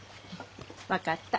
分かった。